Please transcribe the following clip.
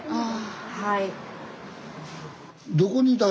はい。